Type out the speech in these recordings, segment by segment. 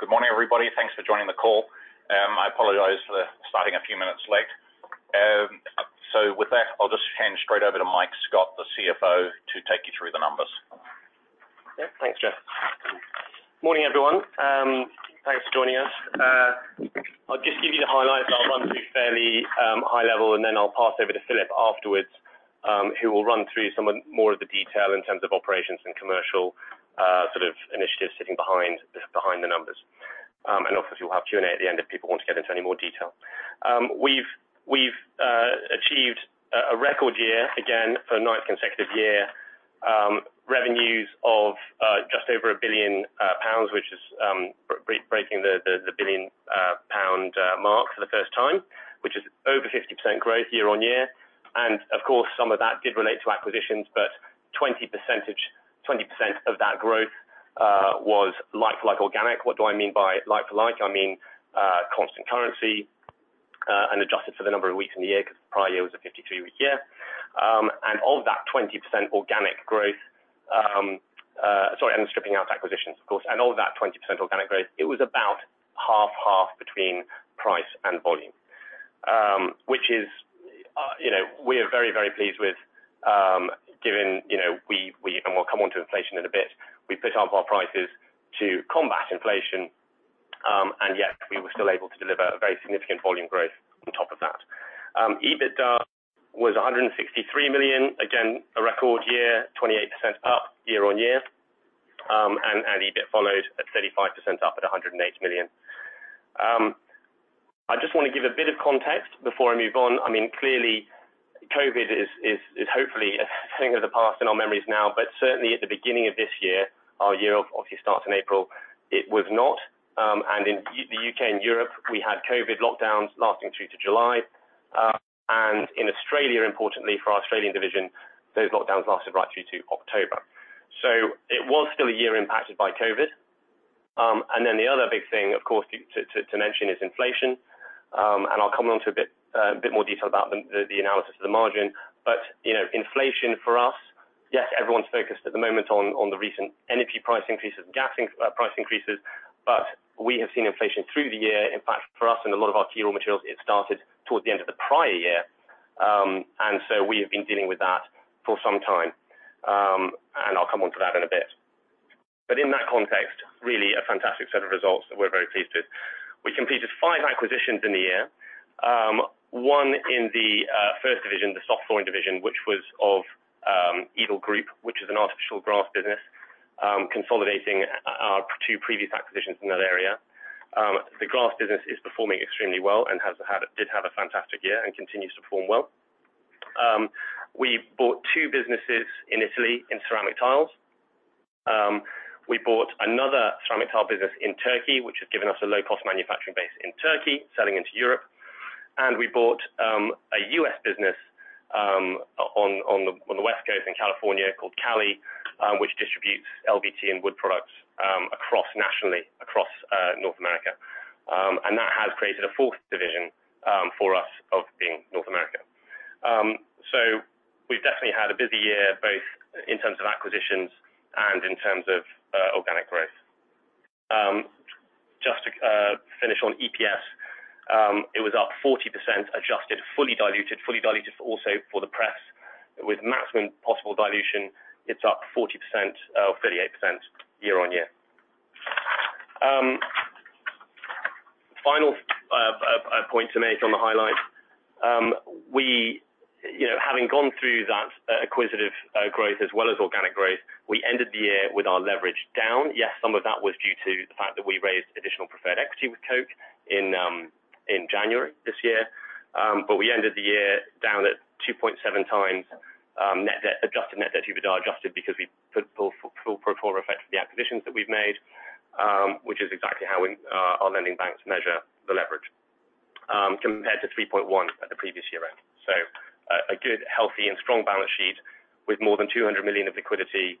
Good morning, everybody. Thanks for joining the call. I apologize for starting a few minutes late. With that, I'll just hand straight over to Mike Scott, the CFO, to take you through the numbers. Yeah, thanks, Geoffrey. Morning, everyone. Thanks for joining us. I'll just give you the highlights. I'll run through fairly high level, and then I'll pass over to Philippe afterwards, who will run through some more of the detail in terms of operations and commercial sort of initiatives sitting behind the numbers. Obviously we'll have Q&A at the end if people want to get into any more detail. We've achieved a record year again for the ninth consecutive year, revenues of just over 1 billion pounds, which is breaking the billion pound mark for the first time, which is over 50% growth year-on-year. Of course, some of that did relate to acquisitions, but 20% of that growth was like organic. What do I mean by like for like? I mean, constant currency, and adjusted for the number of weeks in the year because prior year was a 52-week year. Sorry, stripping out acquisitions, of course. Of that 20% organic growth, it was about half and half between price and volume. Which is, you know, we are very, very pleased with, given, you know, we. We'll come onto inflation in a bit. We put up our prices to combat inflation, and yet we were still able to deliver a very significant volume growth on top of that. EBITDA was 163 million. Again, a record year, 28% up year-on-year. EBIT followed at 35%, up at 108 million. I just wanna give a bit of context before I move on. I mean, clearly, COVID is hopefully a thing of the past in our memories now, but certainly at the beginning of this year, our year obviously starts in April, it was not. In U.K. and Europe, we had COVID lockdowns lasting through to July. In Australia, importantly for our Australian division, those lockdowns lasted right through to October. It was still a year impacted by COVID. The other big thing, of course, to mention is inflation. I'll come on to a bit more detail about the analysis of the margin. You know, inflation for us, yes, everyone's focused at the moment on the recent energy price increases, but we have seen inflation through the year. In fact, for us and a lot of our key raw materials, it started towards the end of the prior year. We have been dealing with that for some time. I'll come on to that in a bit. In that context, really a fantastic set of results that we're very pleased with. We completed five acquisitions in the year. One in the first division, the Soft Flooring division, which was of Eagle Group, which is an artificial grass business, consolidating our two previous acquisitions in that area. The grass business is performing extremely well and has had a fantastic year and continues to perform well. We bought two businesses in Italy in ceramic tiles. We bought another ceramic tile business in Turkey, which has given us a low-cost manufacturing base in Turkey, selling into Europe. We bought a U.S. business on the West Coast in California called Cali, which distributes LVT and wood products across North America. That has created a fourth division for us of being North America. We've definitely had a busy year, both in terms of acquisitions and in terms of organic growth. Just to finish on EPS, it was up 40% adjusted, fully diluted also for the press with maximum possible dilution. It's up 40%, 38% year-on-year. Final point to make on the highlights. We, you know, having gone through that acquisitive growth as well as organic growth, we ended the year with our leverage down. Yes, some of that was due to the fact that we raised additional preferred equity with Koch in January this year. We ended the year down at 2.7x net debt, adjusted net debt, EBITDA adjusted because we put full pro forma effect of the acquisitions that we've made, which is exactly how our lending banks measure the leverage, compared to 3.1 at the previous year end. A good, healthy and strong balance sheet with more than 200 million of liquidity,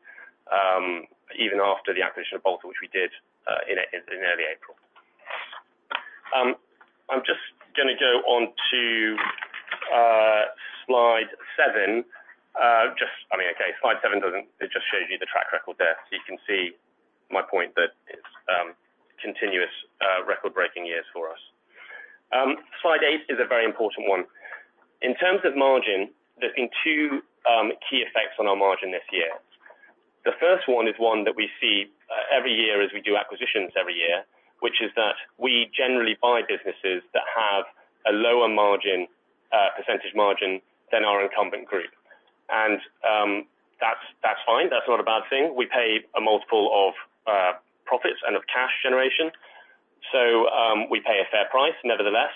even after the acquisition of Balta, which we did in early April. I'm just gonna go on to slide seven. I mean, okay, it just shows you the track record there. You can see my point that it's continuous record-breaking years for us. Slide eight is a very important one. In terms of margin, there's been two key effects on our margin this year. The first one is one that we see every year as we do acquisitions every year, which is that we generally buy businesses that have a lower margin percentage margin than our incumbent group. That's fine. That's not a bad thing. We pay a multiple of, profits and of cash generation. We pay a fair price nevertheless.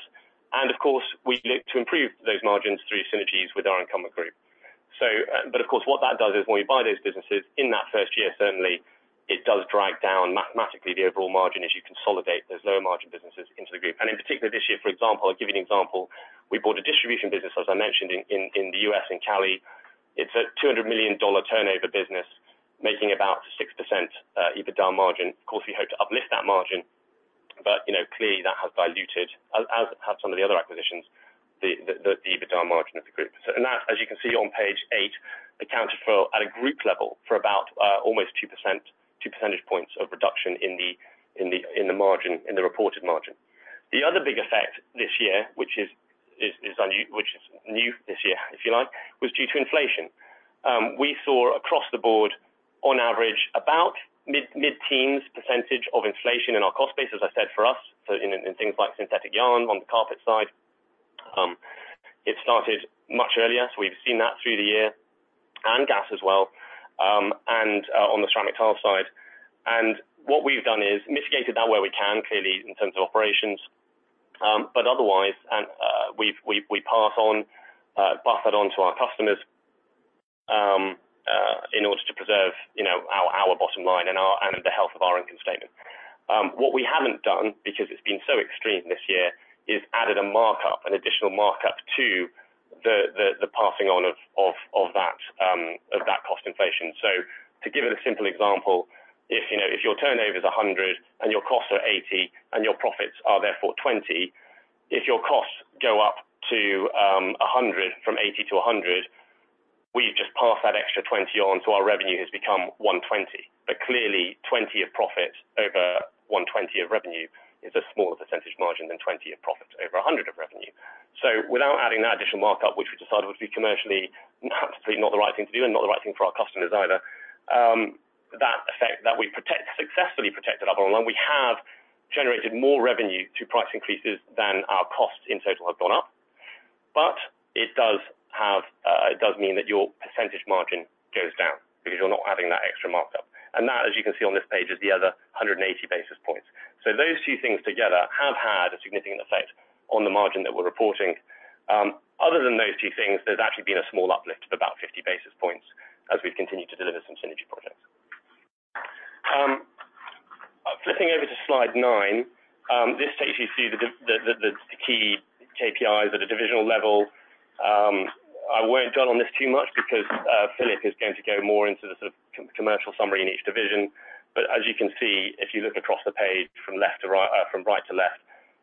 Of course, we look to improve those margins through synergies with our incumbent group. Of course, what that does is when we buy those businesses in that first year, certainly it does drag down mathematically the overall margin as you consolidate those lower margin businesses into the group. In particular this year, for example, I'll give you an example. We bought a distribution business, as I mentioned in the U.S., in Cali. It's a $200 million turnover business, making about 6% EBITDA margin. Of course, we hope to uplift that margin. You know, clearly that has diluted, as have some of the other acquisitions, the EBITDA margin of the group. That, as you can see on page eight, accounts for, at a group level, for about almost 2%, 2 percentage points of reduction in the margin, in the reported margin. The other big effect this year, which is new this year, if you like, was due to inflation. We saw across the board, on average, about mid-teens percentage of inflation in our cost base. As I said, for us, in things like synthetic yarn on the carpet side, it started much earlier. We've seen that through the year, and gas as well, on the ceramic tile side. What we've done is mitigated that where we can, clearly, in terms of operations. Otherwise, we pass that on to our customers in order to preserve, you know, our bottom line and the health of our income statement. What we haven't done, because it's been so extreme this year, is added a markup, an additional markup to the passing on of that cost inflation. To give it a simple example, if, you know, if your turnover is 100 and your costs are 80 and your profits are therefore 20, if your costs go up to 100, from 80 to 100, we just pass that extra 20 on, so our revenue has become 120. Clearly, 20 of profit over 120 of revenue is a smaller percentage margin than 20 of profit over 100 of revenue. Without adding that additional markup, which we decided would be commercially perhaps not the right thing to do and not the right thing for our customers either, that effect that we successfully protected online, we have generated more revenue from price increases than our costs in total have gone up. It does mean that your percentage margin goes down because you're not having that extra markup. That, as you can see on this page, is the other 180 basis points. Those two things together have had a significant effect on the margin that we're reporting. Other than those two things, there's actually been a small uplift of about 50 basis points as we've continued to deliver some synergy projects. Flipping over to slide nine, this takes you through the key KPIs at a divisional level. I won't dwell on this too much because Philippe is going to go more into the commercial summary in each division. As you can see, if you look across the page from left to right, from right to left,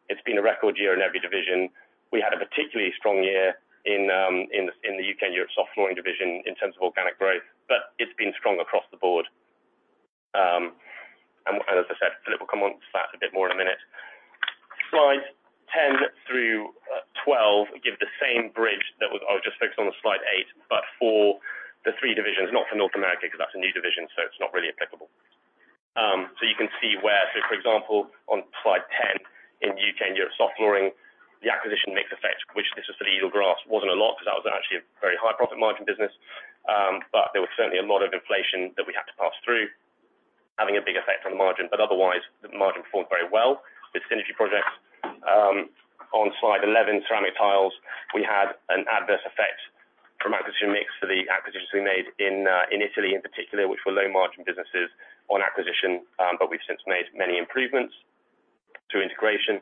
it's been a record year in every division. We had a particularly strong year in the U.K. and Europe soft flooring division in terms of organic growth, but it's been strong across the board. As I said, Philippe will come onto that a bit more in a minute. Slides 10 through 12 give the same bridge that was... I was just focused on the slide eight, but for the three divisions, not for North America, 'cause that's a new division, so it's not really applicable. You can see, for example, on slide 10 in U.K. and Europe soft flooring, the acquisition mix effect, which this is for the Eagle Group, wasn't a lot 'cause that was actually a very high profit margin business. There was certainly a lot of inflation that we had to pass through, having a big effect on the margin. Otherwise, the margin performed very well with synergy projects. On slide 11, ceramic tiles, we had an adverse effect from acquisition mix for the acquisitions we made in Italy in particular, which were low margin businesses on acquisition. We've since made many improvements to integration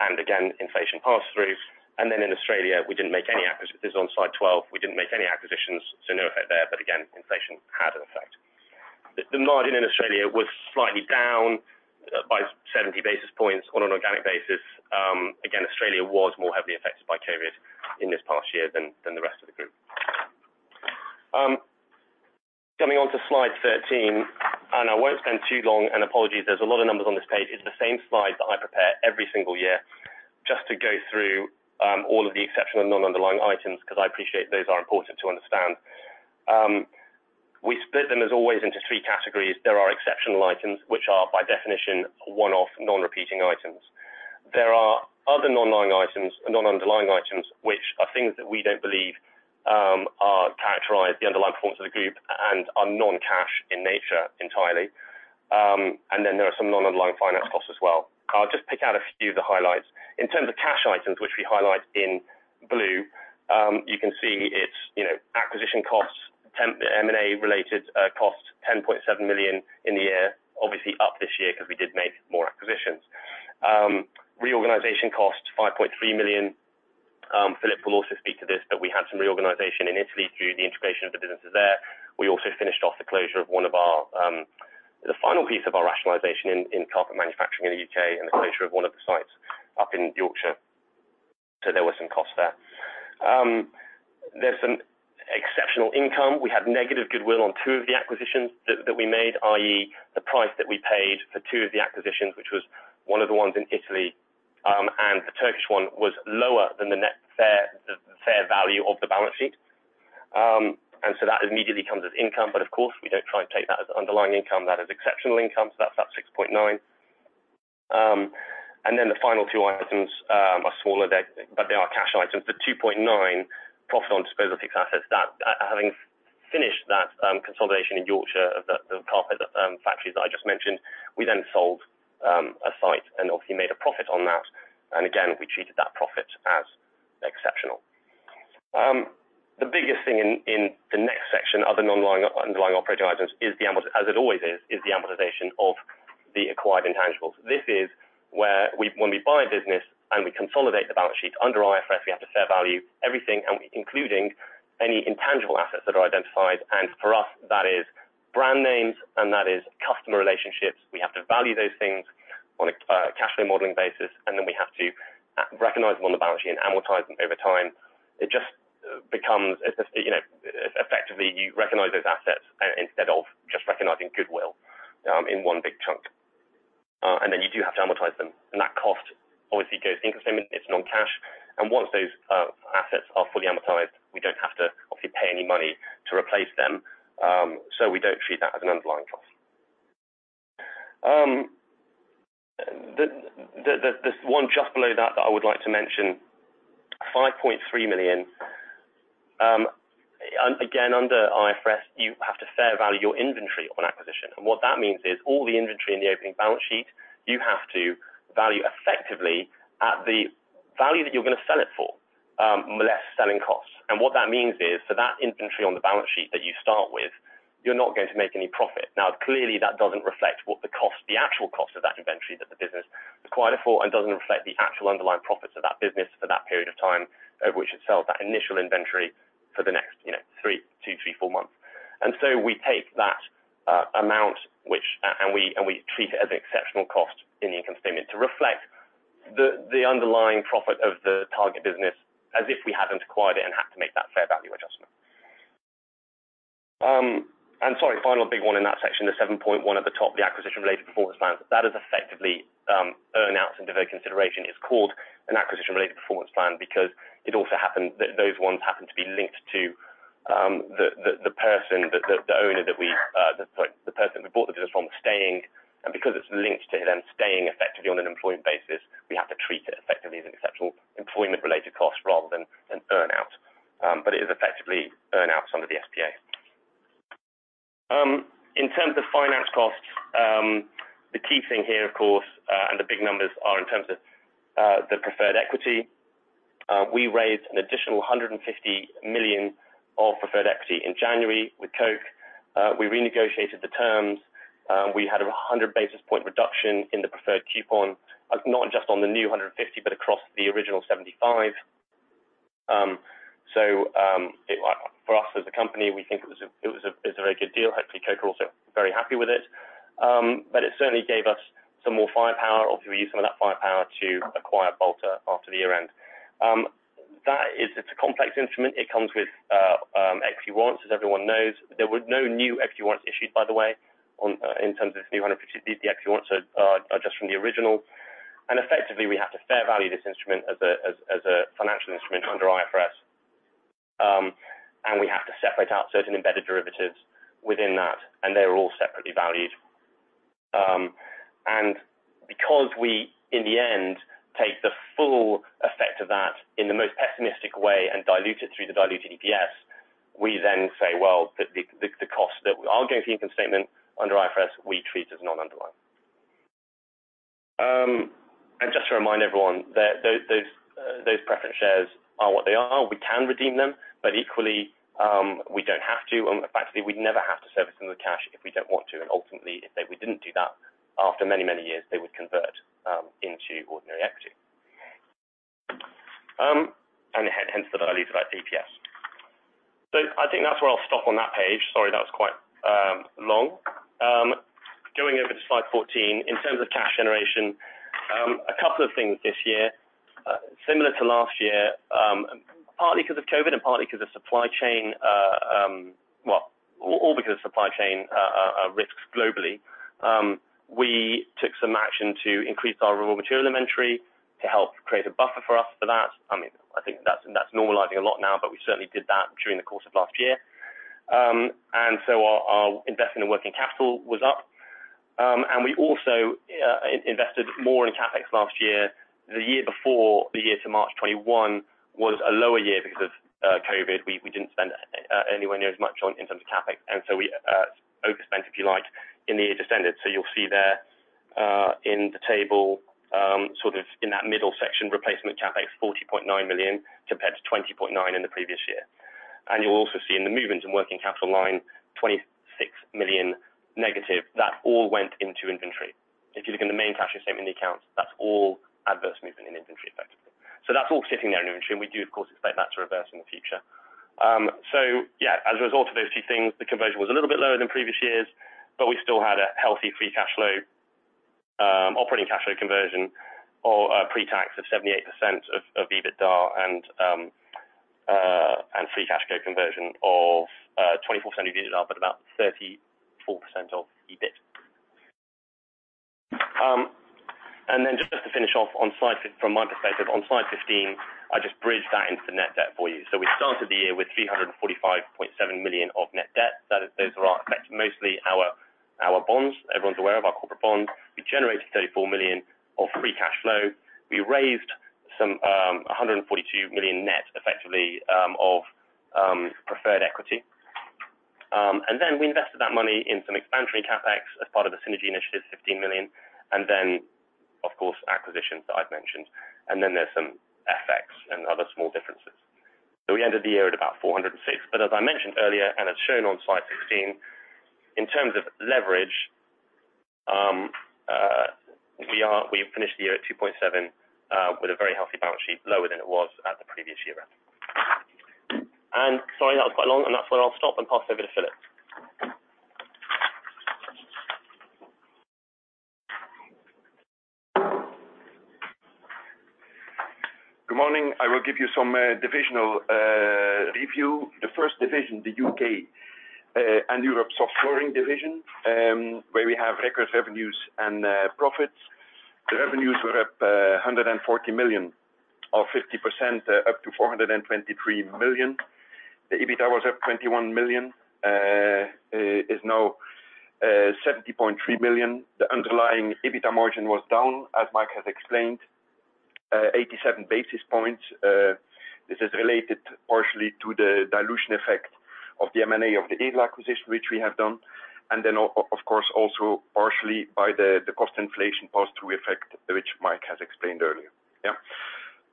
and again, inflation pass through. In Australia, we didn't make any acquisitions. This is on slide 12. We didn't make any acquisitions, so no effect there, but again, inflation had an effect. The margin in Australia was slightly down by 70 basis points on an organic basis. Again, Australia was more heavily affected by COVID in this past year than the rest of the group. Coming on to slide 13, I won't spend too long, apologies, there's a lot of numbers on this page. It's the same slide that I prepare every single year just to go through all of the exceptional and non-underlying items 'cause I appreciate those are important to understand. We split them as always into three categories. There are exceptional items, which are by definition one-off non-repeating items. There are other non-underlying items, non-underlying items, which are things that we don't believe characterize the underlying performance of the group and are non-cash in nature entirely. Then there are some non-underlying finance costs as well. I'll just pick out a few of the highlights. In terms of cash items, which we highlight in blue, you can see it's, you know, acquisition costs, M&A related costs, 10.7 million in the year. Obviously up this year because we did make more acquisitions. Reorganization costs, 5.3 million. Philippe will also speak to this, but we had some reorganization in Italy through the integration of the businesses there. We also finished off the closure of one of our, the final piece of our rationalization in carpet manufacturing in the U.K. and the closure of one of the sites up in Yorkshire. There were some costs there. There's some exceptional income. We had negative goodwill on two of the acquisitions that we made, i.e., the price that we paid for two of the acquisitions, which was one of the ones in Italy and the Turkish one was lower than the fair value of the balance sheet. That immediately comes as income. But of course, we don't try and take that as underlying income. That is exceptional income. That's that 6.9. The final two items are smaller, but they are cash items. The 2.9 profit on disposal of fixed assets. That, having finished that consolidation in Yorkshire of the carpet factories that I just mentioned, we then sold a site and obviously made a profit on that. Again, we treated that profit as exceptional. The biggest thing in the next section, other non-underlying operating items, is the amortization of the acquired intangibles, as it always is. This is where we, when we buy a business and we consolidate the balance sheet, under IFRS, we have to fair value everything including any intangible assets that are identified. For us, that is brand names, and that is customer relationships. We have to value those things on a cash flow modeling basis, and then we have to recognize them on the balance sheet and amortize them over time. It's just, you know, effectively you recognize those assets instead of just recognizing goodwill in one big chunk. You do have to amortize them, and that cost obviously goes income statement, it's non-cash. Once those assets are fully amortized, we don't have to obviously pay any money to replace them, so we don't treat that as an underlying cost. The one just below that that I would like to mention, 5.3 million. Again, under IFRS, you have to fair value your inventory on acquisition. What that means is, all the inventory in the opening balance sheet, you have to value effectively at the value that you're gonna sell it for, less selling costs. What that means is, for that inventory on the balance sheet that you start with, you're not going to make any profit. Now, clearly, that doesn't reflect the actual cost of that inventory that the business acquired it for, and doesn't reflect the actual underlying profits of that business for that period of time over which it sells that initial inventory for the next, you know, two, three, four months. We take that amount which we treat it as an exceptional cost in the income statement to reflect the underlying profit of the target business as if we hadn't acquired it and have to make that fair value adjustment. Sorry, final big one in that section, the 7.1 at the top, the acquisition-related performance plans. That is effectively earn-outs under those consideration. It's called an acquisition-related performance plan because it also happened, those ones happen to be linked to the person we bought the business from staying. Because it's linked to them staying effectively on an employment basis, we have to treat it effectively as an exceptional employment-related cost rather than an earn-out. It is effectively earn-outs under the SPA. In terms of finance costs, the key thing here, of course, and the big numbers are in terms of the preferred equity. We raised an additional 150 million of preferred equity in January with Koch. We renegotiated the terms. We had a 100-basis-point reduction in the preferred coupon, not just on the new 150, but across the original 75. For us as a company, we think it's a very good deal. Hopefully, Koch are also very happy with it. It certainly gave us some more firepower. Obviously, we used some of that firepower to acquire Balta after the year-end. It's a complex instrument. It comes with equity warrants, as everyone knows. There were no new equity warrants issued, by the way, in terms of this new 150. The equity warrants are just from the original. Effectively, we have to fair value this instrument as a financial instrument under IFRS. We have to separate out certain embedded derivatives within that, and they're all separately valued. Because we, in the end, take the full effect of that in the most pessimistic way and dilute it through the diluted EPS, we then say, "Well, the cost that are going to the income statement under IFRS, we treat as non-underlying." Just to remind everyone that those preference shares are what they are. We can redeem them, but equally, we don't have to. Actually, we'd never have to service them with cash if we don't want to. Ultimately, if we didn't do that, after many, many years, they would convert into ordinary equity. Hence the diluted EPS. I think that's where I'll stop on that page. Sorry, that was quite long. Going over to slide 14. In terms of cash generation, a couple of things this year. Similar to last year, all because of supply chain risks globally. We took some action to increase our raw material inventory to help create a buffer for us for that. I mean, I think that's normalizing a lot now, but we certainly did that during the course of last year. Our investment in working capital was up. We also invested more in CapEx last year. The year before the year to March 2021 was a lower year because of COVID. We didn't spend anywhere near as much in terms of CapEx. We overspent, if you like, in the year just ended. You'll see there, in the table, sort of in that middle section, replacement CapEx, 40.9 million compared to 20.9 in the previous year. You'll also see in the movement in working capital line, 26 million negative. That all went into inventory. If you look in the main cash statement in the accounts, that's all adverse movement in inventory, effectively. That's all sitting there in inventory, and we do of course expect that to reverse in the future. Yeah, as a result of those two things, the conversion was a little bit lower than previous years, but we still had a healthy free cash flow, operating cash flow conversion or pre-tax of 78% of EBITDA and free cash flow conversion of 24% of EBITDA, but about 34% of EBIT. From my perspective, on slide 15, I just bridged that into the net debt for you. We started the year with 345.7 million of net debt. That's mostly our bonds. Everyone's aware of our corporate bonds. We generated 34 million of free cash flow. We raised some 142 million net effectively of preferred equity. We invested that money in some expansionary CapEx as part of the synergy initiatives, 15 million, and then, of course, acquisitions that I've mentioned. There's some FX and other small differences. We ended the year at about 406 million. As I mentioned earlier, and as shown on slide 16, in terms of leverage. We finished the year at 2.7, with a very healthy balance sheet, lower than it was at the previous year end. Sorry, that was quite long, and that's where I'll stop and pass over to Philippe. Good morning. I will give you some divisional review. The first division, the U.K. and Europe soft flooring division, where we have record revenues and profits. The revenues were up 140 million or 50% up to 423 million. The EBITDA was up 21 million is now 70.3 million. The underlying EBITDA margin was down, as Mike has explained, 87 basis points. This is related partially to the dilution effect of the M&A of the Eagle Group acquisition, which we have done. Then of course, also partially by the cost inflation pass-through effect, which Mike has explained earlier.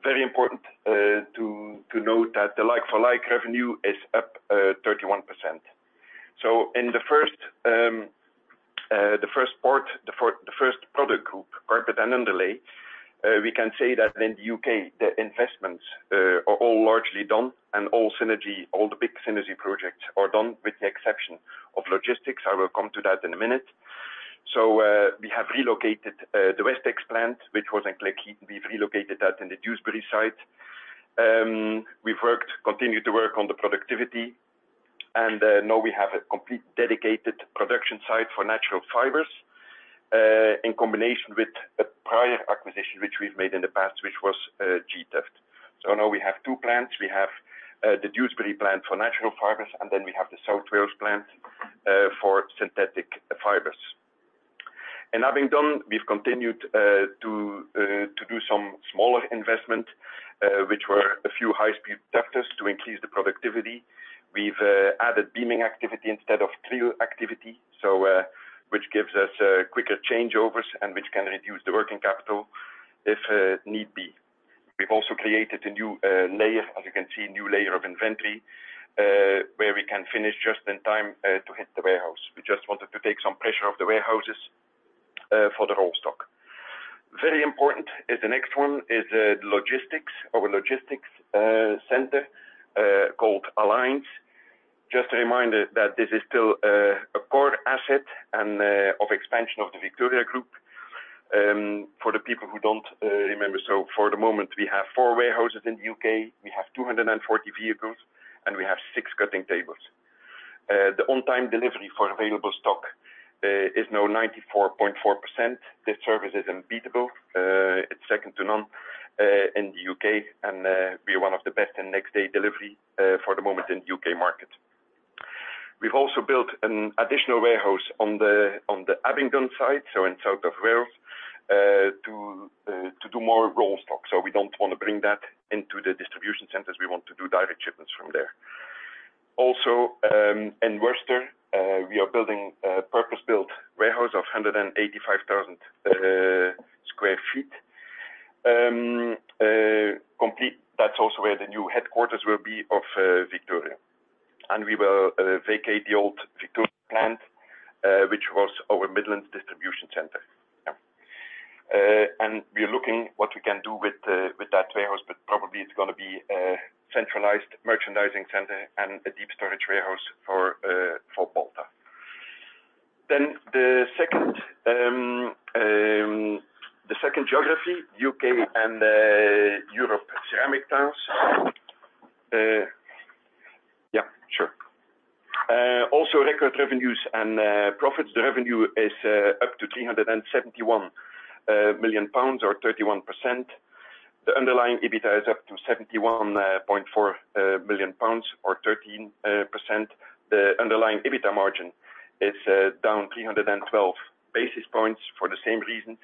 Very important to note that the like-for-like revenue is up 31%. In the first product group, carpet and underlay, we can say that in the U.K., the investments are all largely done and all synergy, all the big synergy projects are done with the exception of logistics. I will come to that in a minute. We have relocated the Westex plant, which was in Cleckheaton. We've relocated that in the Dewsbury site. We've continued to work on the productivity, and now we have a complete dedicated production site for natural fibers in combination with a prior acquisition, which we've made in the past, which was J.T. Firth. Now we have two plants. We have the Dewsbury plant for natural fibers, and then we have the South Wales plant for synthetic fibers. Having done, we've continued to do some smaller investment which were a few high speed tufters to increase the productivity. We've added beaming activity instead of creel activity, so which gives us quicker changeovers and which can reduce the working capital if need be. We've also created a new layer, as you can see, new layer of inventory where we can finish just in time to hit the warehouse. We just wanted to take some pressure off the warehouses for the raw stock. Very important is the next one is the logistics, our logistics center called Alliance. Just a reminder that this is still a core asset and of expansion of the Victoria Group for the people who don't remember. For the moment, we have four warehouses in the U.K., we have 240 vehicles, and we have six cutting tables. The on-time delivery for available stock is now 94.4%. This service is unbeatable. It's second to none in the U.K. and we're one of the best in next day delivery for the moment in U.K. market. We've also built an additional warehouse on the Abingdon site, so in South Wales, to do more raw stock. We don't wanna bring that into the distribution centers. We want to do direct shipments from there. Also, in Worcester, we are building a purpose-built warehouse of 185,000 sq ft. Complete, that's also where the new headquarters will be of Victoria. We will vacate the old Victoria plant, which was our Midlands distribution center. We are looking at what we can do with that warehouse, but probably it's gonna be a centralized merchandising center and a deep storage warehouse for Balta. Then the second geography, U.K. and European Ceramic Tiles. Also record revenues and profits. The revenue is up to 371 million pounds or 31%. The underlying EBITDA is up to 71.4 million pounds or 13%. The underlying EBITDA margin is down 312 basis points for the same reasons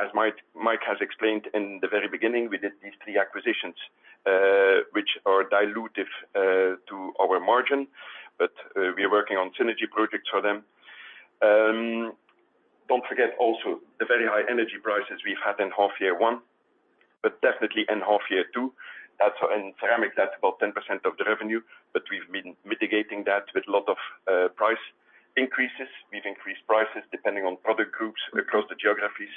as Mike has explained in the very beginning. We did these three acquisitions, which are dilutive to our margin, but we are working on synergy projects for them. Don't forget also the very high energy prices we've had in half year one, but definitely in half year two. That's in ceramic, that's about 10% of the revenue, but we've been mitigating that with a lot of price increases. We've increased prices depending on product groups across the geographies,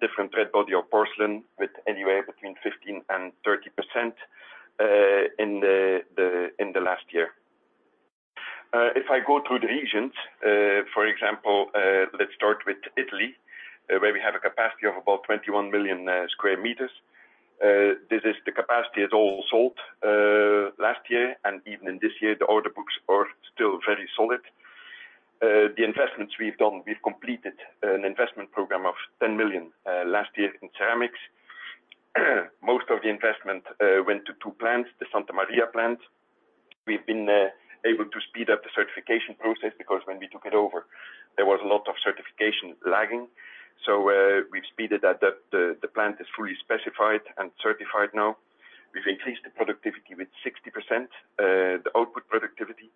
different red body or porcelain with anywhere between 15%-30% in the last year. If I go through the regions, for example, let's start with Italy, where we have a capacity of about 21 million square meters. This capacity is all sold last year, and even in this year, the order books are still very solid. The investments we've done, we've completed an investment program of 10 million last year in ceramics. Most of the investment went to two plants, the Santa Maria plant. We've been able to speed up the certification process because when we took it over, there was a lot of certification lagging. We've speeded that up. The plant is fully specified and certified now. We've increased the productivity with 60%, the output productivity.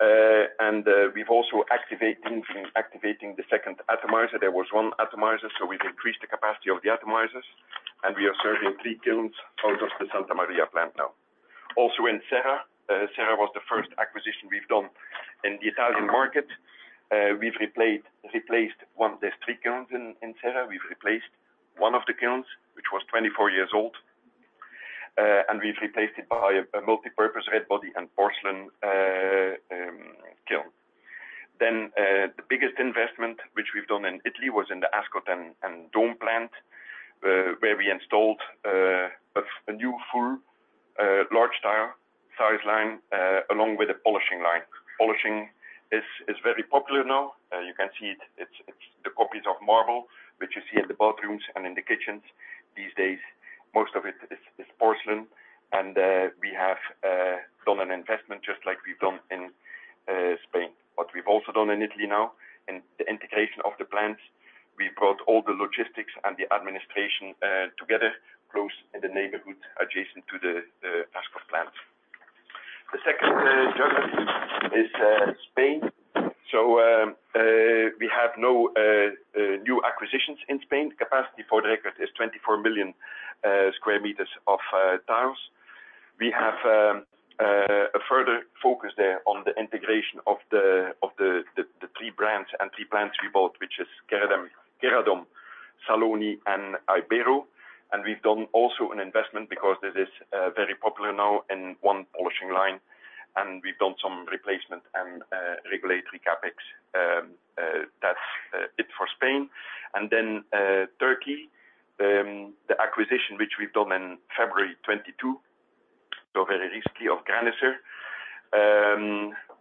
We've also activating the second atomizer. There was one atomizer, so we've increased the capacity of the atomizers, and we are serving three kilns out of the Santa Maria plant now. Also in Serra was the first acquisition we've done in the Italian market. We've replaced one. There's three kilns in Serra. We've replaced one of the kilns, which was 24 years old, and we've replaced it by a multipurpose red body and porcelain kiln. The biggest investment which we've done in Italy was in the Ascot and Dom plant, where we installed a new full large tile size line along with a polishing line. Polishing is very popular now. You can see it. It's the copies of marble, which you see in the bathrooms and in the kitchens these days. Most of it is porcelain, and we have done an investment just like we've done in Spain. What we've also done in Italy now, in the integration of the plants, we brought all the logistics and the administration together close in the neighborhood adjacent to the Ascot plant. The second geography is Spain. We have no new acquisitions in Spain. Capacity for the record is 24 million square meters of tiles. We have a further focus there on the integration of the three brands and three plants we bought, which is Keraben, Saloni, and Ibero. We've done also an investment because this is very popular now in one polishing line, and we've done some replacement and regulatory CapEx. That's it for Spain. Then Turkey, the acquisition which we've done in February 2022, so very risky, Graniser.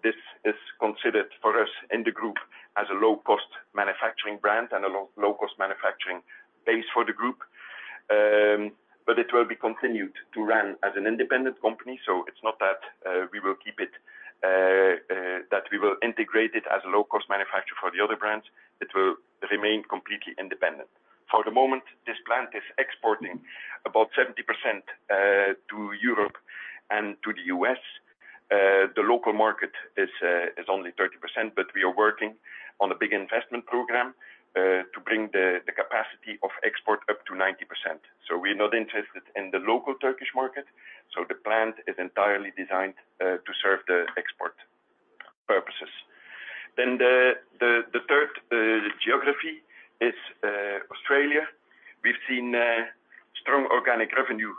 This is considered for us in the group as a low-cost manufacturing brand and a low-cost manufacturing base for the group. It will be continued to run as an independent company, so it's not that we will keep it that we will integrate it as a low-cost manufacturer for the other brands. It will remain completely independent. For the moment, this plant is exporting about 70% to Europe and to the U.S. The local market is only 30%, but we are working on a big investment program to bring the capacity of export up to 90%. We're not interested in the local Turkish market, so the plant is entirely designed to serve the export purposes. The third geography is Australia. We've seen strong organic revenue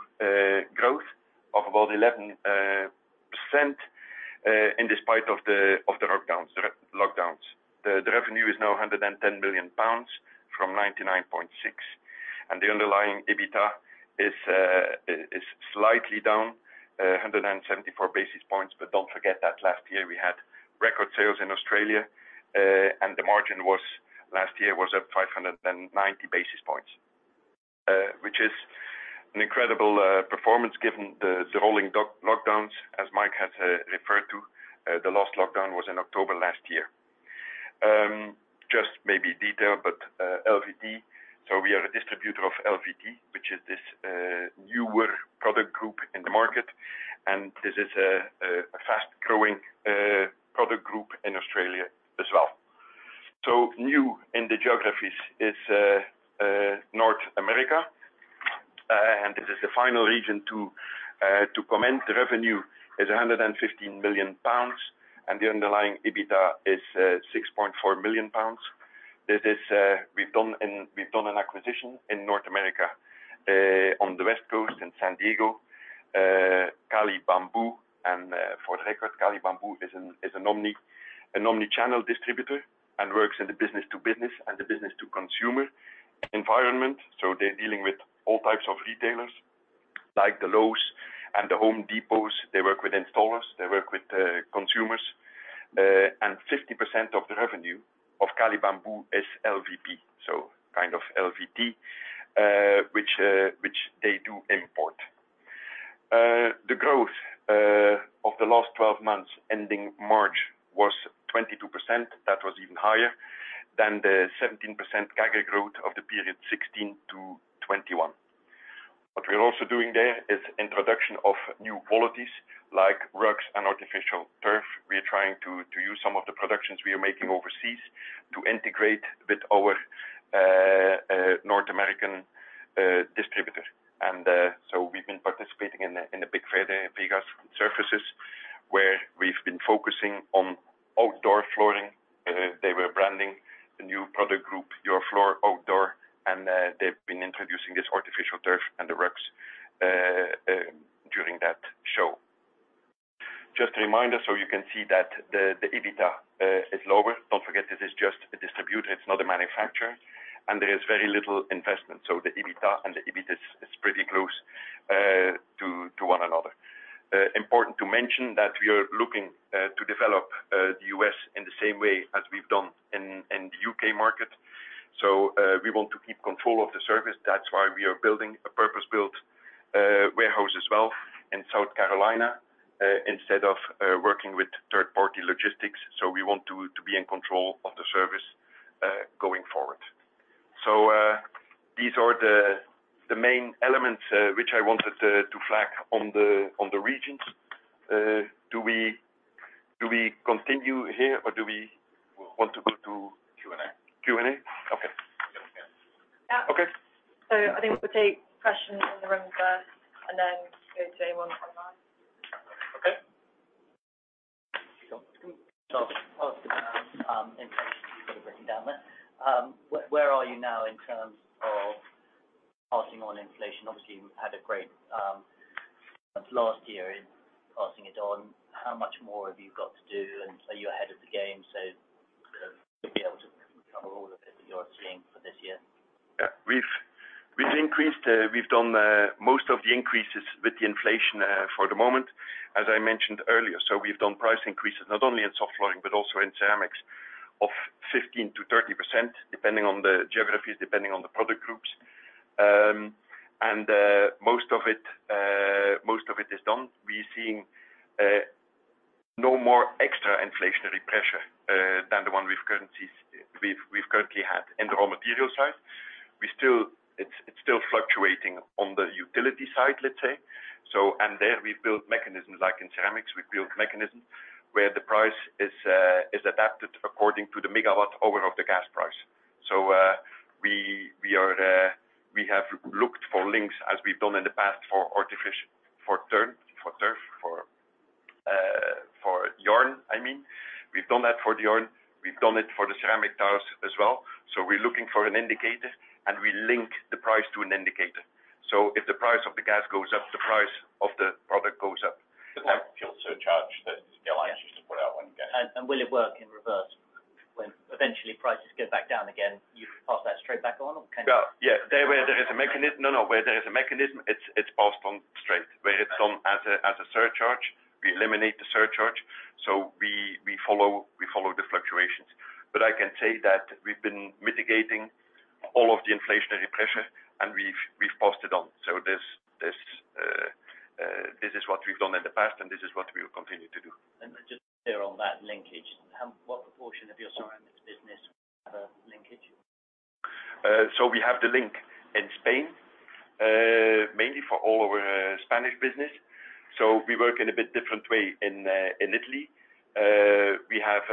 growth of about 11% in spite of the lockdowns. The revenue is now 110 million pounds from 99.6 million, and the underlying EBITDA is slightly down 174 basis points, but don't forget that last year we had record sales in Australia, and the margin was up 590 basis points last year, which is an incredible performance given the rolling lockdowns, as Mike has referred to. The last lockdown was in October last year. Just maybe detail, but LVT, so we are a distributor of LVT, which is this newer product group in the market, and this is a fast-growing product group in Australia as well. New in the geographies is North America, and this is the final region to comment. Revenue is 115 million pounds, and the underlying EBITDA is 6.4 million pounds. This is we've done an acquisition in North America on the West Coast in San Diego, Cali Bamboo. For the record, Cali Bamboo is an omni-channel distributor and works in the business-to-business and the business-to-consumer environment. They're dealing with all types of retailers, like the Lowe's and the Home Depot. They work with installers. They work with consumers. Fifty percent of the revenue of Cali Bamboo is LVP, so kind of LVT, which they do import. The growth of the last twelve months ending March was 22%. That was even higher than the 17% CAGR growth of the period 2016 to 2021. What we're also doing there is introduction of new qualities like rugs and artificial turf. We are trying to use some of the products we are making overseas to integrate with our North American distributor. We've been participating in the big fair in Vegas, Surfaces, where we've been focusing on outdoor flooring. They were branding the new product group, Your Floor Outdoor, they've been introducing this artificial turf and the rugs during that show. Just a reminder, so you can see that the EBITDA is lower. Don't forget this is just a distributor. It's not a manufacturer, and there is very little investment. The EBITDA and the EBIT is pretty close to one another. Important to mention that we are looking to develop the U.S. in the same way as we've done in the U.K. market. We want to keep control of the service. That's why we are building a purpose-built warehouse as well in South Carolina instead of working with third-party logistics. We want to be in control of the service going forward. These are the main elements which I wanted to flag on the regions. Do we continue here, or do we want to go to Q&A? Q&A? Okay. Yeah. I think we'll take questions from the room first, and then go to anyone online. Okay. Charles? In terms of where are you now in terms of passing on inflation? Obviously you had a great last year in passing it on. How much more have you got to do? You're ahead of the game, so sort of to be able to cover all of it that you're seeing for this year. Yeah. We've done most of the increases with the inflation for the moment, as I mentioned earlier. We've done price increases not only in soft flooring, but also in ceramics of 15%-30%, depending on the geographies, depending on the product groups. Most of it is done. We're seeing no more extra inflationary pressure than the one we've currently had in the raw material side. It's still fluctuating on the utility side, let's say. There we've built mechanisms, like in ceramics, where the price is adapted according to the megawatt hour of the gas price. We have looked for links as we've done in the past for artificial turf, for yarn, I mean. We've done that for the yarn. We've done it for the ceramic tiles as well. We're looking for an indicator, and we link the price to an indicator. If the price of the gas goes up, the price of the product goes up. The type of fuel surcharge that the airlines used to put out when gas. Will it work in reverse when eventually prices get back down again, you pass that straight back on or can you? Where there is a mechanism, it's passed on straight. Where it's on as a surcharge, we eliminate the surcharge. We follow the fluctuations. I can say that we've been mitigating all of the inflationary pressure, and we've passed it on. This is what we've done in the past, and this is what we will continue to do. Just clear on that linkage, what proportion of your ceramics business have a linkage? We have the link in Spain, mainly for all of our Spanish business. We work in a bit different way in Italy. We have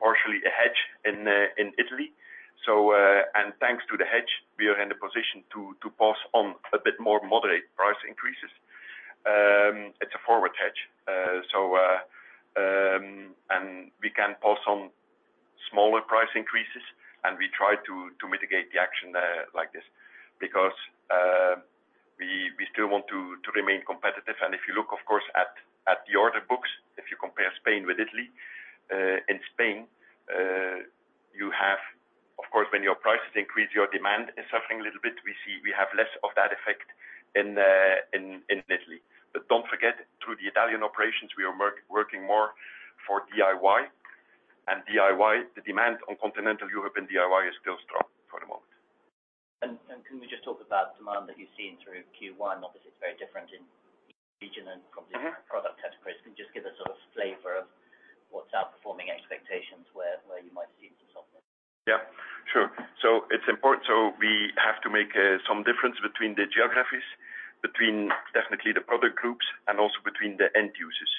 partially a hedge in Italy. Thanks to the hedge, we are in the position to pass on a bit more moderate price increases. It's a forward hedge. We can pass on smaller price increases, and we try to mitigate the action like this. Because we still want to remain competitive. If you look of course at the order books, if you compare Spain with Italy, in Spain, you have. Of course, when your prices increase, your demand is suffering a little bit. We see we have less of that effect in Italy. Don't forget, through the Italian operations, we are working more for DIY. DIY, the demand in Continental Europe and DIY is still strong for the moment. Can we just talk about demand that you've seen through Q1? Obviously it's very different in each region and probably. Mm-hmm... product categories. Can you just give a sort of flavor of what's outperforming expectations, where you might have seen some softness? We have to make some difference between the geographies, between definitely the product groups, and also between the end users.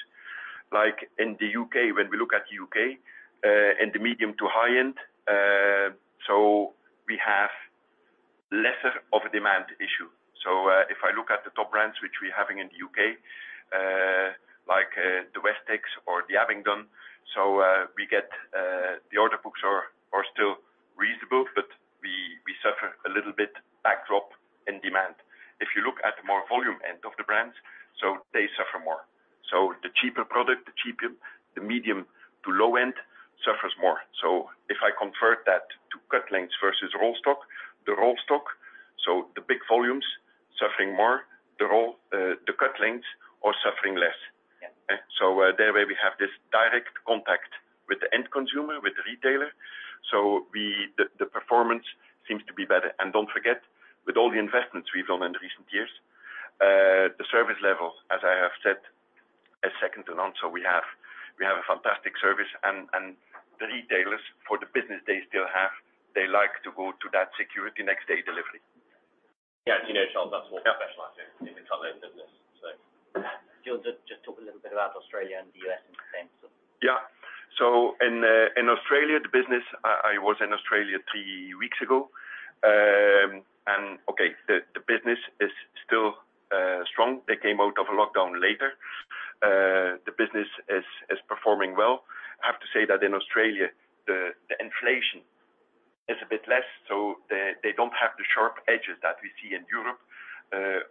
Like in the U.K., when we look at the U.K. and the medium to high end, we have less of a demand issue. If I look at the top brands which we're having in the U.K., like the Westex or the Abingdon, we get the order books are still reasonable, but we suffer a little bit of a drop in demand. If you look at the more volume end of the brands, they suffer more. The cheaper product, the medium to low end suffers more. If I convert that to cut lengths versus roll stock, the roll stock, so the big volumes suffering more, the cut lengths are suffering less. Yeah. That way we have this direct contact with the end consumer, with the retailer. The performance seems to be better. Don't forget, with all the investments we've done in recent years, the service level, as I have said, is second to none. We have a fantastic service and the retailers for the business they still have, they like to go to that security next day delivery. Yeah. As you know, Charles, that's what we specialize in the tile business. Do you want to just talk a little bit about Australia and the U.S. and Spain? Yeah. In Australia, the business, I was in Australia three weeks ago. The business is still strong. They came out of a lockdown later. The business is performing well. I have to say that in Australia, the inflation is a bit less, so they don't have the sharp edges that we see in Europe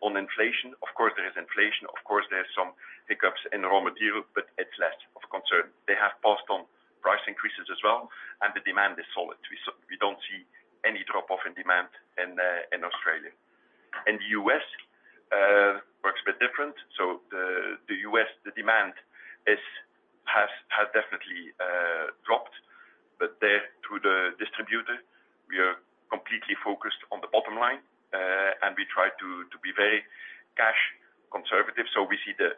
on inflation. Of course there is inflation. Of course there's some hiccups in raw material, but it's less of concern. They have passed on price increases as well, and the demand is solid. We don't see any drop off in demand in Australia. In the U.S., it works a bit different. The U.S., the demand has definitely dropped. But there, through the distributor, we are completely focused on the bottom line. We try to be very cash conservative. We see the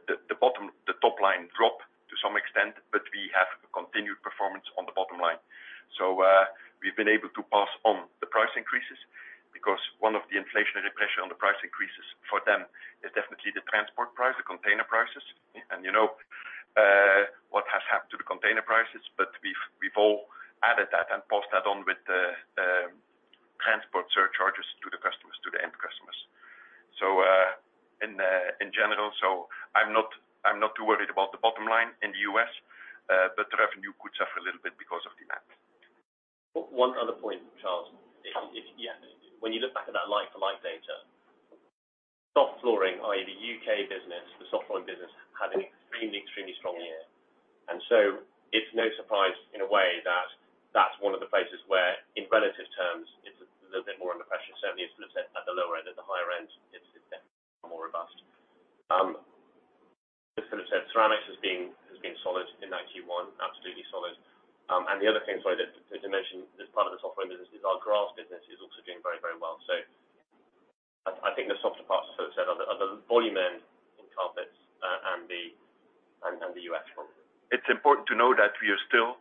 It's important to know that we are still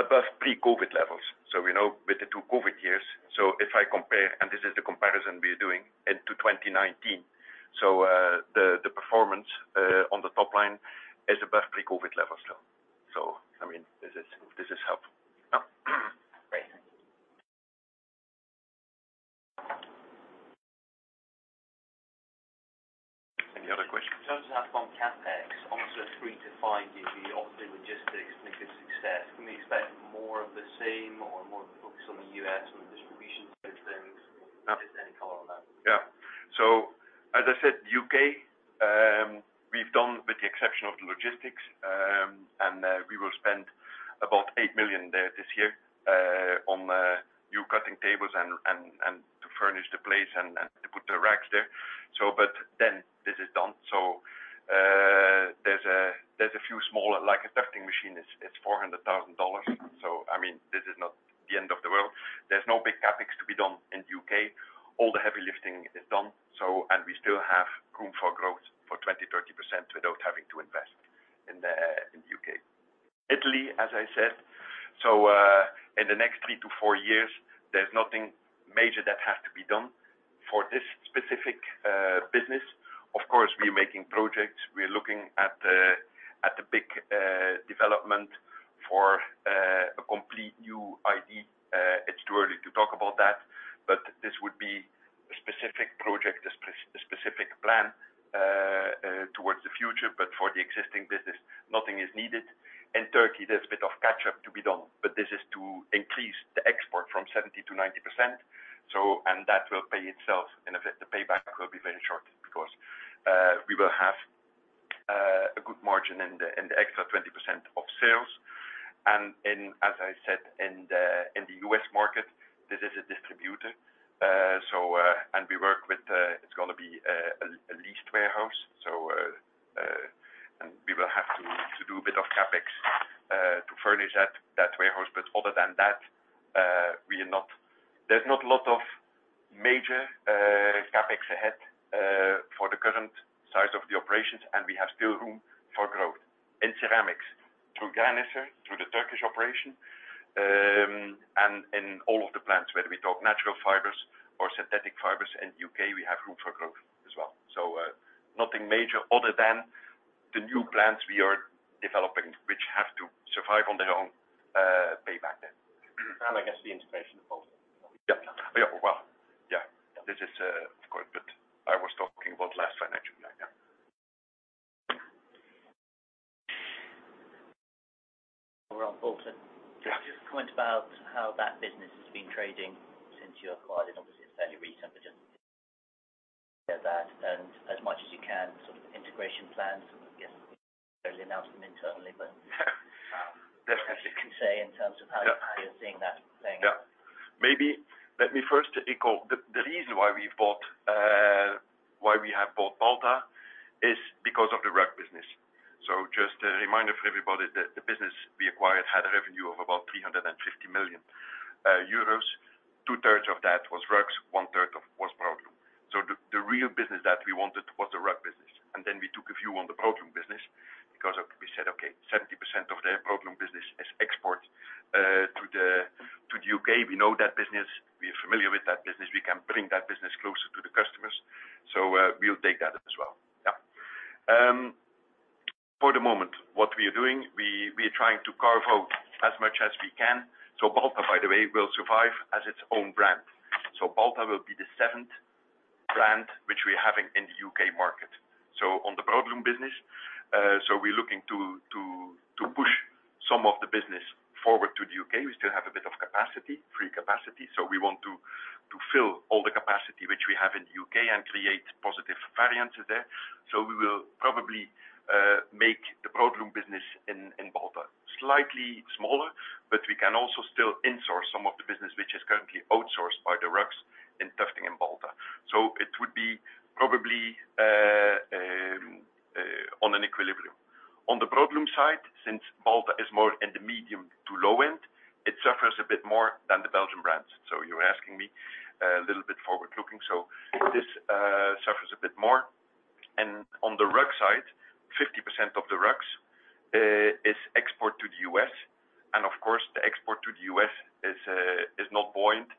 above pre-COVID levels. We know with the two COVID years, if I compare, and this is the comparison we're doing, into 2019. The performance on the top line is above pre-COVID levels still. I mean, this is helpful. Yeah. Great. Any other questions? In terms of ask on CapEx, obviously a three to five year view, obviously logistics make a success. Can we expect more of the same or more of the focus on the U.S. on the distribution side of things? Just any color on that. As I said, U.K., we've done with the exception of the logistics, and we will spend about 8 million there this year on the new cutting tables and to furnish the place and to put the racks there. This is done. There's a few small. Like, a tufting machine is $400,000. I mean, this is not the end of the world. There's no big CapEx to be done in the U.K. All the heavy lifting is done. We still have room for growth for 20%-30% without having to invest in the U.K. Italy, as I said, in the next three to four years, there's nothing major that has to be done for this specific business. Of course, we're making projects. We're looking at the big development for a complete new line. It's too early to talk about that, but this would be a specific project, a specific plan towards the future. For the existing business, nothing is needed. In Turkey, there's a bit of catch-up to be done, but this is to increase the export from 70%-90%. That will pay itself. The payback will be very short because we will have a good margin in the extra 20% of sales. In, as I said, in the U.S. market, this is a distributor. We work with. It's gonna be a leased warehouse. We will have to do a bit of CapEx to furnish that warehouse. Other than that, we are not. There's not a lot of major CapEx ahead for the current size of the operations, and we have still room for growth. In ceramics, through Graniser, through the Turkish operation, and in all of the plants, whether we talk natural fibers or synthetic fibers, in U.K., we have room for growth as well. Nothing major other than the new plants we are developing, which have to survive on their own, payback then. I guess the integration of Balta. Yeah. Well, yeah. This is, of course, but I was talking about last financial year. Yeah. Around Balta. Yeah. Just a comment about how that business has been trading since you acquired it. Obviously, it's fairly recent, but just hear that. As much as you can, sort of integration plans. I guess you've only announced them internally, but. Yeah. If you can say in terms of how? Yeah. You're seeing that playing out. Yeah. Maybe let me first recall the reason why we bought, why we have bought Balta is because of the rug business. Just a reminder for everybody that the business we acquired had a revenue of about 350 million euros. 2/3 of that was rugs, 1/3 was broadloom. The real business that we wanted was the rug business. Then we took a view on the broadloom business because we said, "Okay, 70% of their broadloom business is export to the U.K. We know that business. We're familiar with that business. We can bring that business closer to the customers. We'll take that as well." Yeah. For the moment, what we are doing, we are trying to carve out as much as we can. Balta, by the way, will survive as its own brand. Balta will be the seventh brand which we're having in the U.K. market. On the broadloom business, we're looking to push some of the business forward to the U.K. We still have a bit of capacity, free capacity, we want to fill all the capacity which we have in the U.K. and create positive variance there. We will probably make the broadloom business in Balta slightly smaller, but we can also still in-source some of the business which is currently outsourced by the rugs and tufting in Balta. It would be probably on an equilibrium. On the broadloom side, since Balta is more in the medium to low end, it suffers a bit more than the Belgian brands. You're asking me a little bit forward-looking. This suffers a bit more. On the rug side, 50% of the rugs is export to the U.S. Of course, the export to the U.S. point.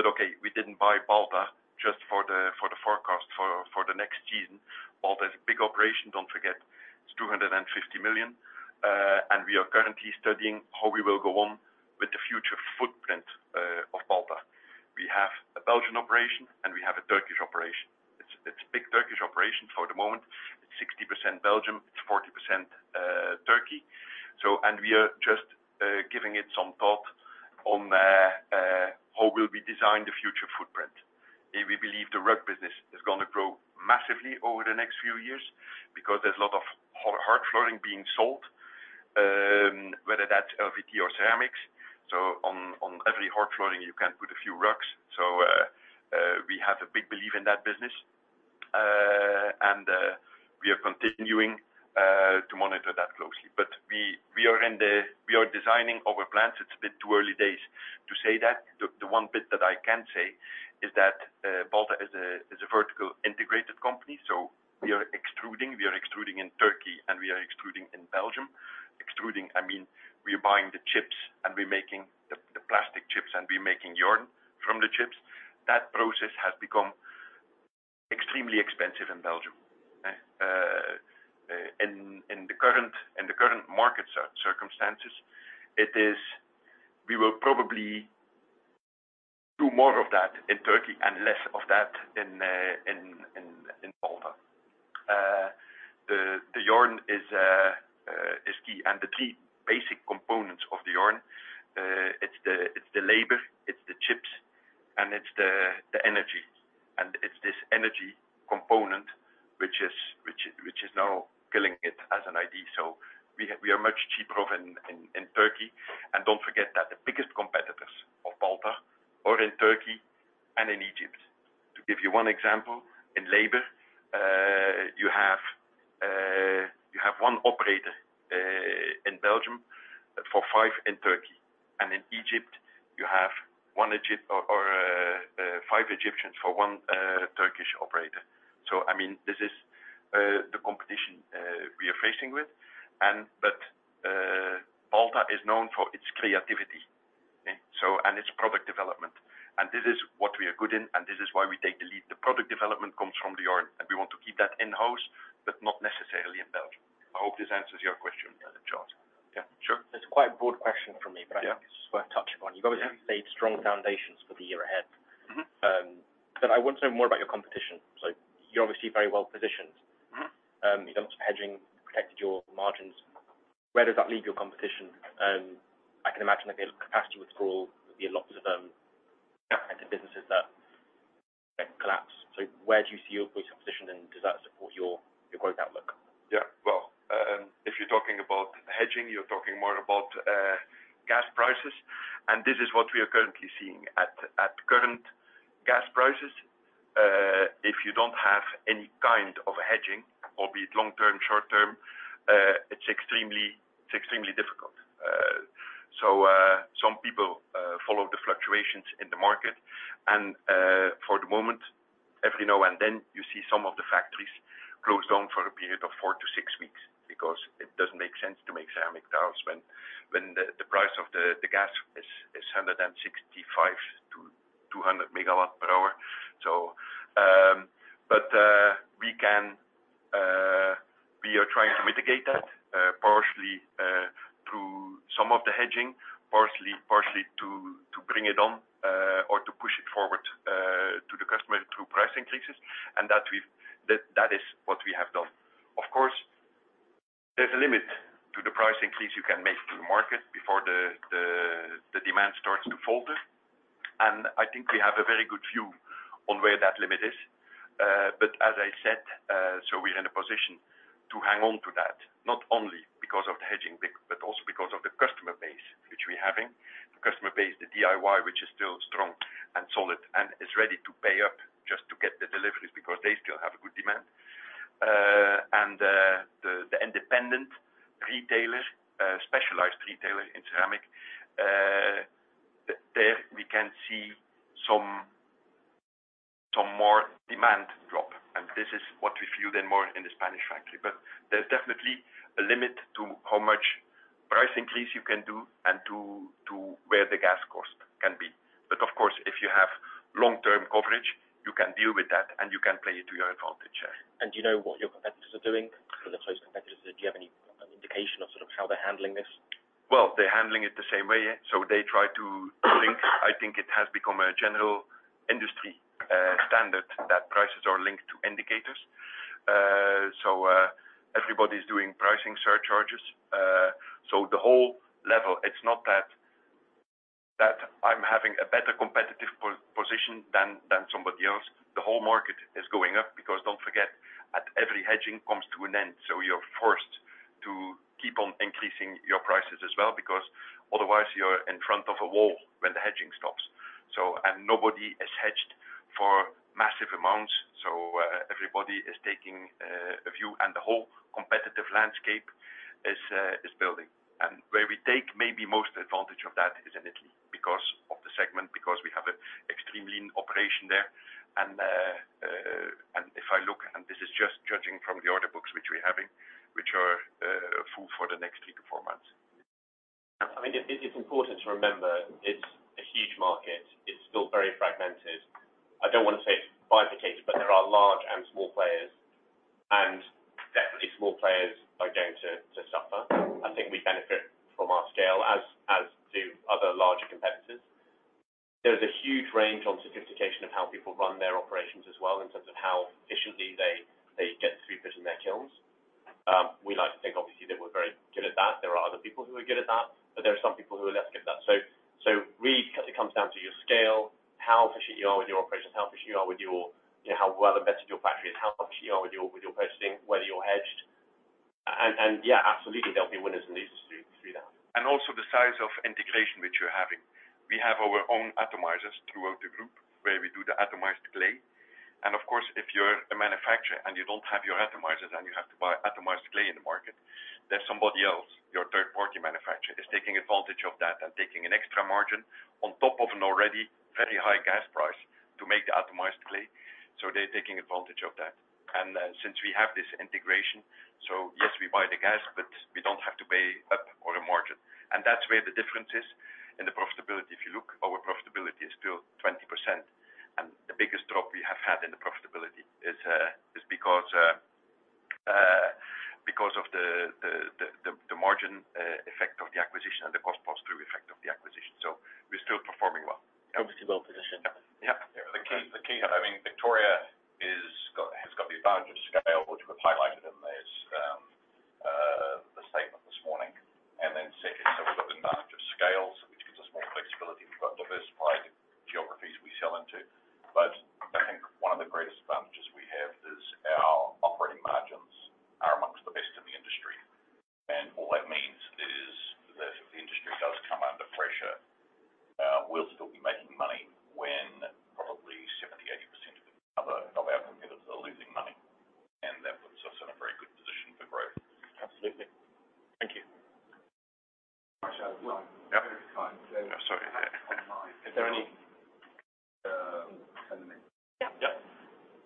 Okay, we didn't buy Balta just for the forecast for the next season. Balta is a big operation, don't forget. It's 250 million, and we are currently studying how we will go on with the future footprint of Balta. We have a Belgian operation and we have a Turkish operation. It's big Turkish operation for the moment. It's 60% Belgium, it's 40% Turkey. We are just giving it some thought on how we'll design the future footprint. We believe the rug business is gonna grow massively over the next few years because there's a lot of hard flooring being sold, whether that's LVT or ceramics. On every hard flooring, you can put a few rugs. We have a big belief in that business. We are continuing to monitor that closely. We are designing our plans. It's a bit too early days to say that. The one bit that I can say is that Balta is a vertically integrated company. We are extruding. We are extruding in Turkey, and we are extruding in Belgium. Extruding, I mean, we are buying the chips, and we're making the plastic chips, and we're making yarn from the chips. That process has become extremely expensive in Belgium. In the current market circumstances, it is. We will probably do more of that in Turkey and less of that in Balta. The yarn is key. The key basic components of the yarn, it's the labor, it's the chips, and it's the energy. It's this energy component which is now killing it as a line. We are much cheaper in Turkey. Don't forget that the biggest competitors of Balta are in Turkey and in Egypt. To give you one example, in labor, you have one operator in Belgium for five in Turkey. In Egypt, you have five Egyptians for one Turkish operator. I mean, this is the competition we are facing with. Balta is known for its creativity, okay, its product development, and this is what we are good in, and this is why we take the lead. The product development comes from the yarn, and we want to keep that in-house, but not necessarily in Belgium. I hope this answers your question, Charles. Yeah. Sure. It's quite a broad question from me. Yeah. I think it's worth touching on. You've obviously laid strong foundations for the year ahead. Mm-hmm. I want to know more about your competition. You're obviously very well positioned. Mm-hmm. You've done some hedging, protected your margins. Where does that leave your competition? I can imagine that the capacity withdrawal will be lots of kinds of businesses that collapse. Where do you see your position, and does that support your growth outlook? Yeah. Well, if you're talking about hedging, you're talking more about gas prices, and this is what we are currently seeing. At current gas prices, if you don't have any kind of hedging, albeit long term, short term, it's extremely difficult. Some people follow the fluctuations in the market and, for the moment, every now and then, you see some of the factories closed down for a period of four to six weeks because it doesn't make sense to make ceramic tiles when the price of the gas is 165-200 per megawatt-hour. We are trying to mitigate that partially through some of the hedging, partially to bring it on or to push it forward to the customer through price increases. That is what we have done. Of course, there's a limit to the price increase you can make to the market before the demand starts to falter. I think we have a very good view on where that limit is. We're in a position to hang on to that, not only because of the hedging peak, but also because of the customer base which we're having. The customer base, the DIY, which is still strong and solid and is ready to pay up just to get the deliveries because they still have a good demand. The independent retailers, specialized retailers in ceramic, there we can see some more demand drop. This is what we feel than more in the Spanish factory. There's definitely a limit to how much price increase you can do and to where the gas cost can be. Of course, if you have long-term coverage, you can deal with that and you can play it to your advantage. Yeah. Do you know what your competitors are doing? For the close competitors, do you have any indication of sort of how they're handling this? Well, they're handling it the same way, yeah. They try to link. I think it has become a general industry standard that prices are linked to indicators. Everybody's doing pricing surcharges. The whole level, it's not that I'm having a better competitive position than somebody else. The whole market is going up because don't forget, as every hedging comes to an end. You're forced to keep on increasing your prices as well because otherwise you're in front of a wall when the hedging stops. Nobody is hedged for massive amounts. Everybody is taking a view and the whole competitive landscape is building. Where we take maybe most advantage of that is in Italy because of the segment, because we have an extremely lean operation there. I mean, it's important to remember it's a huge market. It's still very fragmented. I don't wanna say it's bifurcated, but there are large and small players. Definitely small players are going to suffer. I think we benefit from our scale, as do other larger competitors. There is a huge range on sophistication of how people run their operations as well, in terms of how efficiently they get sweepings in their kilns. We like to think obviously that we're very good at that. There are other people who are good at that, but there are some people who are less good at that. Really it comes down to your scale, how efficient you are with your operations, how efficient you are with your. You know, how well invested your factory is, how efficient you are with your purchasing, whether you're hedged. Yeah, absolutely, there'll be winners and losers through that. Also the size of integration which we're having. We have our own atomizers throughout the group where we do the atomized clay. Of course, if you're a manufacturer and you don't have your atomizers and you have to buy atomized clay in the market, there's somebody else, your third-party manufacturer, is taking advantage of that and taking an extra margin on top of an already very high gas price to make the atomized clay. They're taking advantage of that. Since we have this integration, so yes, we buy the gas, but we don't have to pay up on a margin. That's where the difference is in the profitability. If you look, our profitability is still 20%, and the biggest drop we have had in the profitability is because of the margin effect of the acquisition and the cost pass-through effect of the acquisition. We're still performing well. Obviously well-positioned. Yeah. Yeah. The key, I mean, Victoria has got the advantage of scale, which was highlighted in this, the statement this morning. Then second, we've got the advantage of scale, so which gives us more flexibility. We've got diversified geographies we sell into. I think one of the greatest advantages we have is our operating margins are among the best in the industry. What that means is that if the industry does come under pressure, we'll still be making money when probably 70%-80% of our competitors are losing money. That puts us in a very good position for growth. Absolutely. Thank you. Well- Yeah. Very kind. Sorry. Is there any? Yeah. Yeah.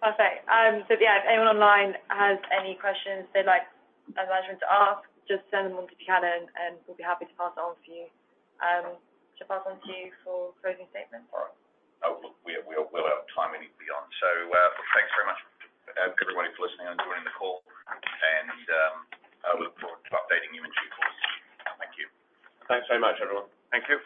Perfect. So yeah, if anyone online has any questions they'd like management to ask, just send them on to Tiana, and we'll be happy to pass on for you. Shall pass on to you for closing statements. All right. Oh, look, we're out of time anyway. Thanks very much, everybody, for listening and joining the call. I look forward to updating you in due course. Thank you. Thanks very much, everyone. Thank you.